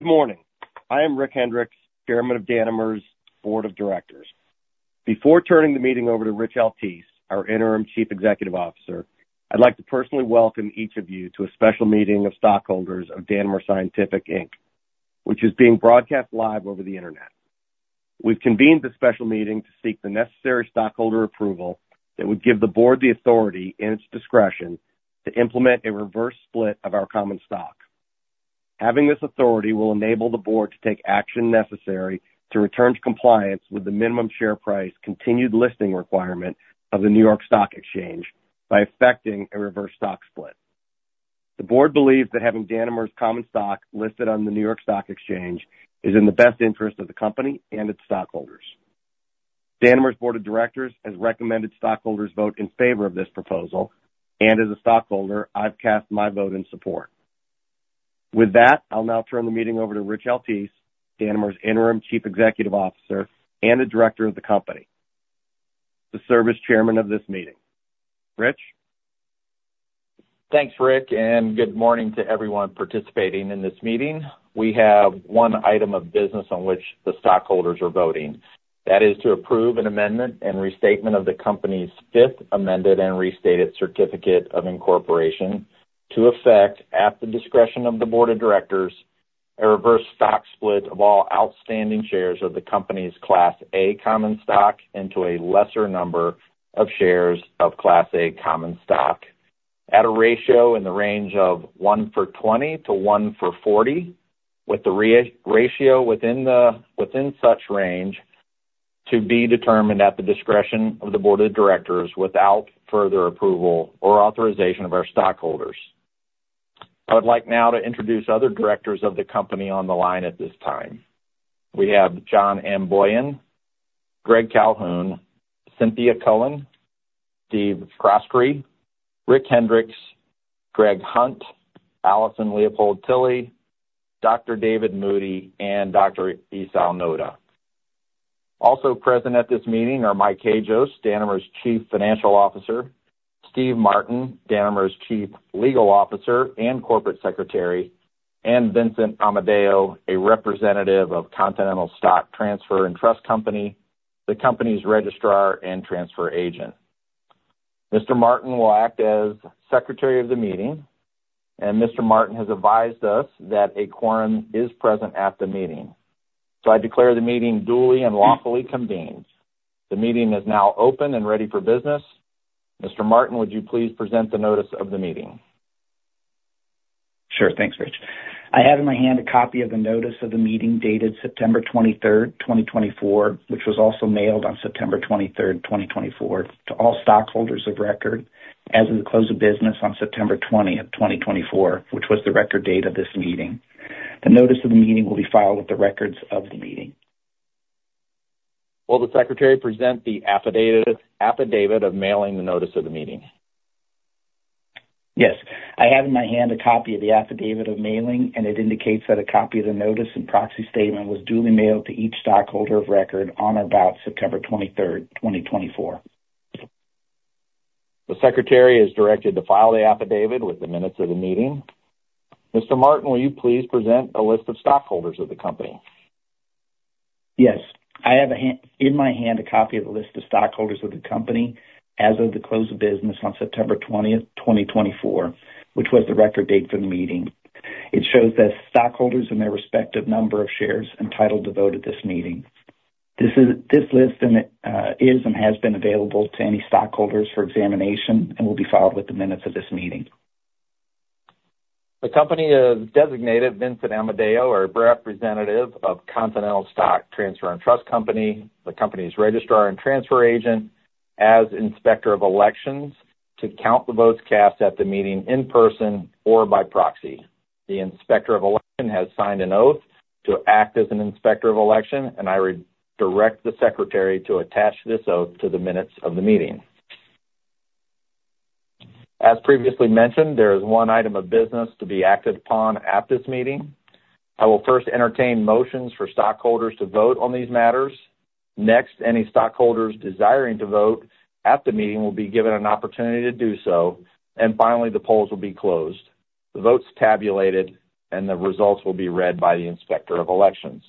...Good morning. I am Rick Hendrix, Chairman of Danimer's Board of Directors. Before turning the meeting over to Rich Altice, our Interim Chief Executive Officer, I'd like to personally welcome each of you to a special meeting of stockholders of Danimer Scientific Inc., which is being broadcast live over the internet. We've convened this special meeting to seek the necessary stockholder approval that would give the board the authority and its discretion to implement a reverse split of our common stock. Having this authority will enable the board to take action necessary to return to compliance with the minimum share price continued listing requirement of the New York Stock Exchange by effecting a reverse stock split. The board believes that having Danimer's common stock listed on the New York Stock Exchange is in the best interest of the company and its stockholders. Danimer's board of directors has recommended stockholders vote in favor of this proposal, and as a stockholder, I've cast my vote in support. With that, I'll now turn the meeting over to Rich Altice, Danimer's Interim Chief Executive Officer and a director of the company, to serve as chairman of this meeting. Rich? Thanks, Rick, and good morning to everyone participating in this meeting. We have one item of business on which the stockholders are voting. That is to approve an amendment and restatement of the company's Fifth Amended and Restated Certificate of Incorporation to effect, at the discretion of the board of directors, a reverse stock split of all outstanding shares of the company's Class A common stock into a lesser number of shares of Class A common stock at a ratio in the range of one for twenty to one for forty, with the ratio within such range to be determined at the discretion of the board of directors, without further approval or authorization of our stockholders. I would like now to introduce other directors of the company on the line at this time. We have John Amboian, Gregory Calhoun, Cynthia Cullen, Steve Croskrey, Rick Hendrix, Gregory Hunt, Allison Leopold Tilley, Dr. David Moody, and Dr. Isao Noda. Also present at this meeting are Mike Hajost, Danimer's Chief Financial Officer, Steve Martin, Danimer's Chief Legal Officer and Corporate Secretary, and Vincent Amodeo, a representative of Continental Stock Transfer and Trust Company, the company's registrar and transfer agent. Mr. Martin will act as secretary of the meeting, and Mr. Martin has advised us that a quorum is present at the meeting. So I declare the meeting duly and lawfully convened. The meeting is now open and ready for business. Mr. Martin, would you please present the notice of the meeting? Sure. Thanks, Rich. I have in my hand a copy of the notice of the meeting dated 23 September 2024, which was also mailed on 23 September 2024, to all stockholders of record as of the close of business on 20 September 2024, which was the record date of this meeting. The notice of the meeting will be filed with the records of the meeting. Will the Secretary present the affidavit of mailing the notice of the meeting? Yes, I have in my hand a copy of the affidavit of mailing, and it indicates that a copy of the notice and proxy statement was duly mailed to each stockholder of record on or about 23 September 2024. The secretary is directed to file the affidavit with the minutes of the meeting. Mr. Martin, will you please present a list of stockholders of the company? Yes. I have in my hand a copy of the list of stockholders of the company as of the close of business on 20 September 2024, which was the record date for the meeting. It shows that stockholders and their respective number of shares entitled to vote at this meeting. This is, this list and, is and has been available to any stockholders for examination and will be filed with the minutes of this meeting. The company has designated Vincent Amodeo, our representative of Continental Stock Transfer and Trust Company, the company's registrar and transfer agent, as Inspector of Elections, to count the votes cast at the meeting in person or by proxy. The Inspector of Election has signed an oath to act as an Inspector of Election, and I direct the secretary to attach this oath to the minutes of the meeting. As previously mentioned, there is one item of business to be acted upon at this meeting. I will first entertain motions for stockholders to vote on these matters. Next, any stockholders desiring to vote at the meeting will be given an opportunity to do so, and finally, the polls will be closed, the votes tabulated, and the results will be read by the Inspector of Elections.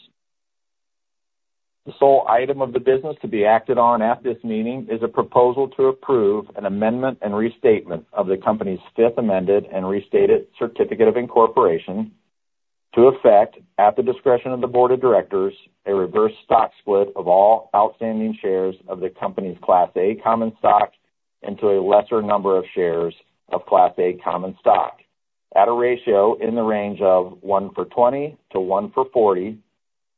The sole item of the business to be acted on at this meeting is a proposal to approve an amendment and restatement of the company's Fifth Amended and Restated Certificate of Incorporation to effect, at the discretion of the board of directors, a reverse stock split of all outstanding shares of the company's Class A common stock into a lesser number of shares of Class A common stock at a ratio in the range of one-for-twenty to one-for-forty,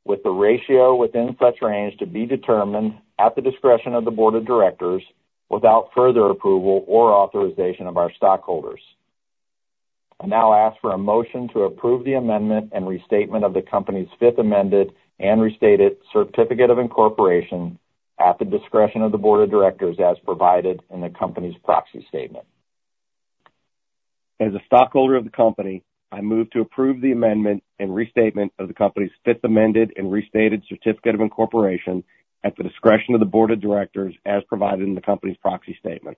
with the ratio within such range to be determined at the discretion of the board of directors, without further approval or authorization of our stockholders. I now ask for a motion to approve the amendment and restatement of the company's Fifth Amended and Restated Certificate of Incorporation at the discretion of the board of directors, as provided in the company's proxy statement. As a stockholder of the company, I move to approve the amendment and restatement of the company's Fifth Amended and Restated Certificate of Incorporation at the discretion of the board of directors, as provided in the company's proxy statement....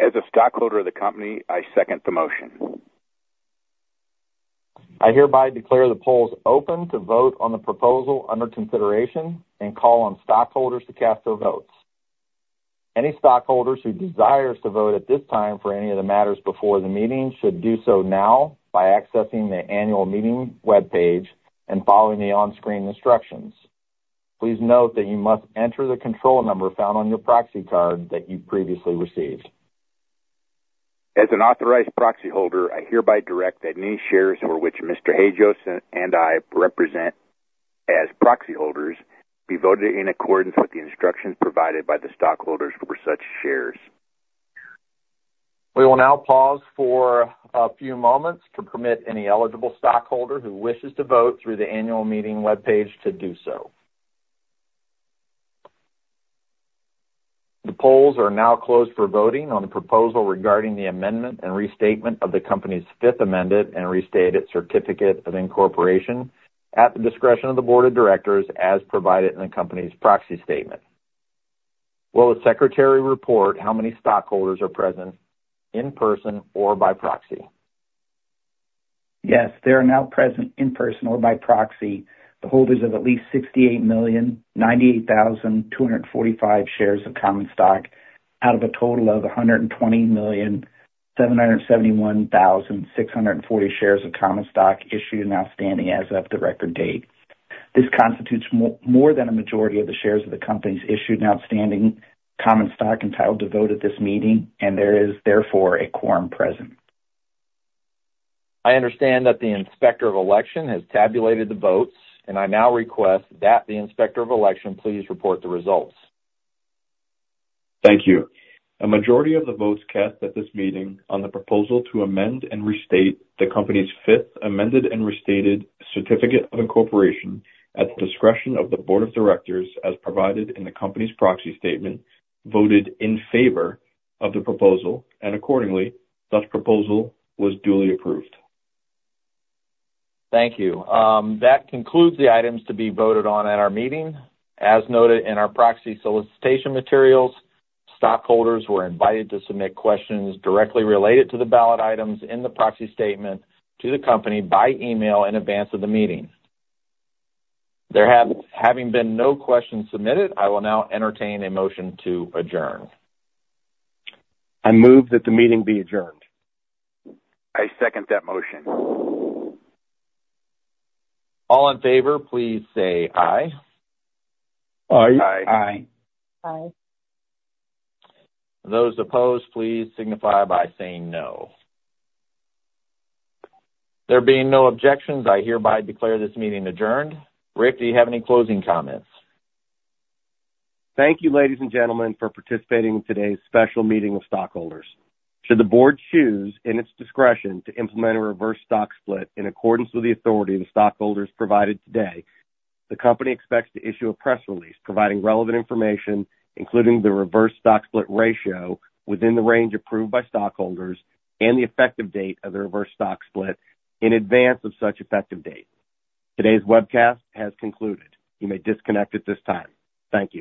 As a stockholder of the company, I second the motion. I hereby declare the polls open to vote on the proposal under consideration and call on stockholders to cast their votes. Any stockholders who desire to vote at this time for any of the matters before the meeting should do so now by accessing the annual meeting webpage and following the on-screen instructions. Please note that you must enter the control number found on your proxy card that you previously received. As an authorized proxy holder, I hereby direct that any shares over which Mr. Hajost and I represent as proxy holders be voted in accordance with the instructions provided by the stockholders for such shares. We will now pause for a few moments to permit any eligible stockholder who wishes to vote through the annual meeting webpage to do so. The polls are now closed for voting on the proposal regarding the amendment and restatement of the company's Fifth Amended and Restated Certificate of Incorporation at the discretion of the board of directors, as provided in the company's proxy statement. Will the secretary report how many stockholders are present in person or by proxy? Yes, there are now present in person or by proxy, the holders of at least 68,098,245 shares of common stock, out of a total of 120,771,640 shares of common stock issued and outstanding as of the record date. This constitutes more than a majority of the shares of the company's issued and outstanding common stock entitled to vote at this meeting, and there is therefore a quorum present. I understand that the Inspector of Elections has tabulated the votes, and I now request that the Inspector of Elections please report the results. Thank you. A majority of the votes cast at this meeting on the proposal to amend and restate the company's Fifth Amended and Restated Certificate of Incorporation, at the discretion of the board of directors, as provided in the company's proxy statement, voted in favor of the proposal, and accordingly, such proposal was duly approved. Thank you. That concludes the items to be voted on at our meeting. As noted in our proxy solicitation materials, stockholders were invited to submit questions directly related to the ballot items in the proxy statement to the company by email in advance of the meeting. There having been no questions submitted, I will now entertain a motion to adjourn. I move that the meeting be adjourned. I second that motion. All in favor, please say aye. Aye. Aye. Aye. Aye. Those opposed, please signify by saying no. There being no objections, I hereby declare this meeting adjourned. Rick, do you have any closing comments? Thank you, ladies and gentlemen, for participating in today's special meeting of stockholders. Should the board choose, in its discretion, to implement a reverse stock split in accordance with the authority the stockholders provided today, the company expects to issue a press release providing relevant information, including the reverse stock split ratio within the range approved by stockholders and the effective date of the reverse stock split in advance of such effective date. Today's webcast has concluded. You may disconnect at this time. Thank you.